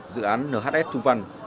dự án nhs trung văn